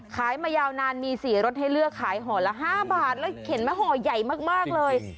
มายาวนานมี๔รสให้เลือกขายห่อละ๕บาทแล้วเห็นไหมห่อใหญ่มากเลย